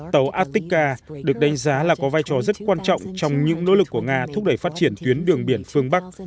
tàu atika được đánh giá là có vai trò rất quan trọng trong những nỗ lực của nga thúc đẩy phát triển tuyến đường biển phương bắc